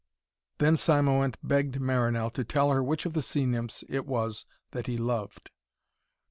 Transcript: Then Cymoënt begged Marinell to tell her which of the sea nymphs it was that he loved.